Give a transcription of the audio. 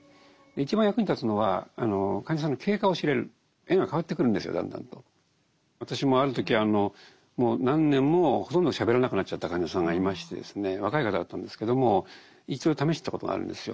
一番役に立つのは私もある時もう何年もほとんどしゃべらなくなっちゃった患者さんがいましてですね若い方だったんですけども一度試したことがあるんですよ。